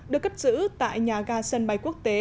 được cất giữ tại nhà ga sân bay quốc tế